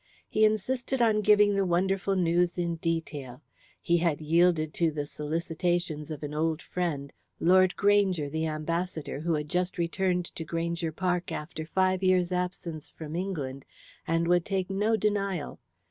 He insisted on giving the wonderful news in detail. He had yielded to the solicitations of an old friend Lord Granger, the ambassador, who had just returned to Granger Park after five years' absence from England, and would take no denial.